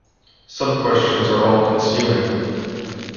some questions are all consuming